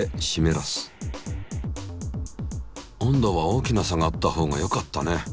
温度は大きな差があったほうがよかったね。